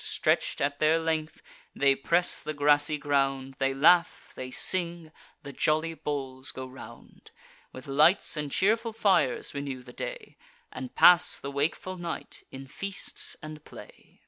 Stretch'd at their length, they press the grassy ground; They laugh, they sing, (the jolly bowls go round,) With lights and cheerful fires renew the day, And pass the wakeful night in feasts and play.